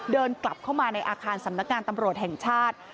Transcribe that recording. เดินกลับเข้ามาในอาคารสำนักงานตำรวจแห่งชาติ